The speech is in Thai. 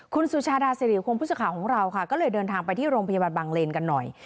คุณสุชาดาสิริคงผู้สื่อข่าวของเราค่ะก็เลยเดินทางไปที่โรงพยาบาลบางเลนกันหน่อย